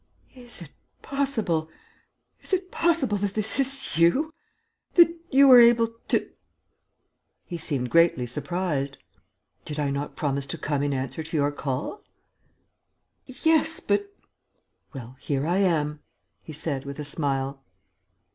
"Is it possible? Is it possible that this is you ... that you were able to ...?" He seemed greatly surprised: "Did I not promise to come in answer to your call?" "Yes ... but ..." "Well, here I am," he said, with a smile.